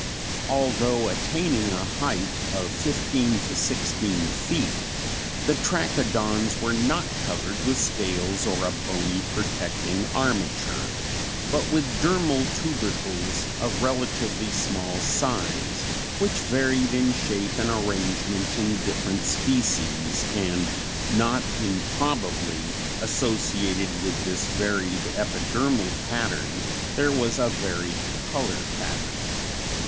"Although attaining a height of fifteen to sixteen feet the trachodons were not covered with scales or a bony protecting armature, but with dermal tubercles of relatively small size, which varied in shape and arrangement in different species, and not improbably associated with this varied epidermal pattern there was a varied color pattern.